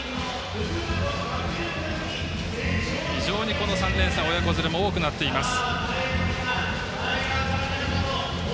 この３連戦親子連れも多くなっています。